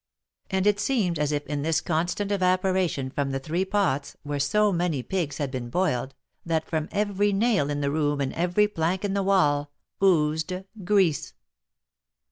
And it seemed as if in this constant evaporation from the three pots, where so many pigs had been boiled, that from every nail in the room and every plank in the wall oozed grease.